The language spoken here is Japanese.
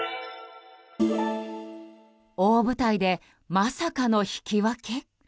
大舞台でまさかの引き分け？